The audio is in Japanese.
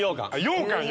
ようかん。